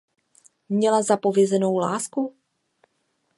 Měla zapovězenou lásku?